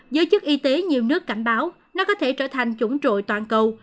giới chức y tế nhiều nước cảnh báo nó có thể trở thành chủng toàn cầu